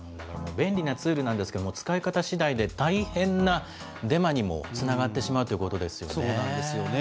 便利なツールなんですけれども、使い方しだいで大変なデマにもつながってしまうということですよね。